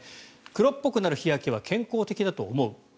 黒っぽくなる日焼けは健康的だと思う。